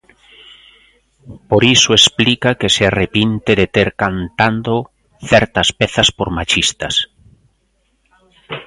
Por iso explica que se arrepinte de ter cantando certas pezas por machistas.